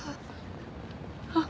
あっ。